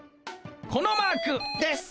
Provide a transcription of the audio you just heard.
このマーク。です。